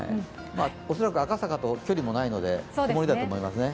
恐らく赤坂と距離もないので本降りだと思いますね。